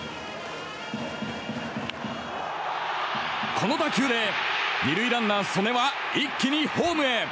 この打球で２塁ランナー曽根は一気にホームへ。